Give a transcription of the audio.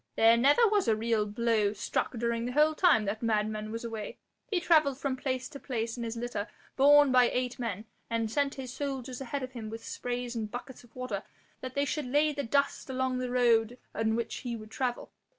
There never was a real blow struck during the whole time that madman was away. He travelled from place to place in his litter borne by eight men, and sent his soldiers ahead of him with sprays and buckets of water that they should lay the dust along the road on which he would travel.